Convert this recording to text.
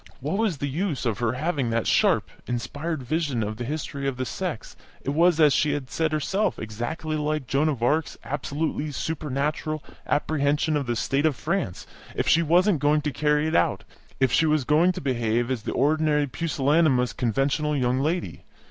What was the use of her having that sharp, inspired vision of the history of the sex (it was, as she had said herself, exactly like Joan of Arc's absolutely supernatural apprehension of the state of France) if she wasn't going to carry it out, if she was going to behave as the ordinary pusillanimous, conventional young lady?